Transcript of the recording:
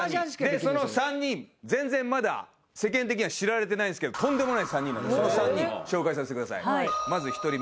でその３人全然まだ世間的には知られてないんですけどとんでもない３人なんでその３人紹介させてください。